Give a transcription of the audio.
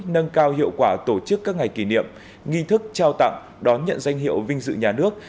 nâng cao hiệu quả tổ chức các ngày kỷ niệm nghi thức trao tặng đón nhận danh hiệu vinh dự nhà nước